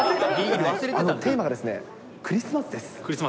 テーマがクリスマスです。